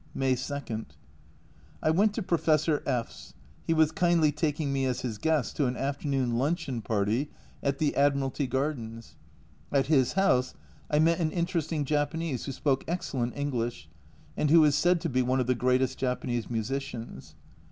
May 2. I went to Professor Fw V: he was kindly taking me as his guest to an afternoon luncheon A Journal from Japan 147 party at the Admiralty gardens. At his house I met an interesting Japanese who spoke excellent English, and who is said to be one of the greatest Japanese musicians.